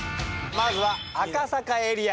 まずは赤坂エリア。